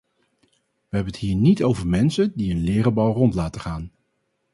Wij hebben het hier niet over mensen die een leren bal rond laten gaan.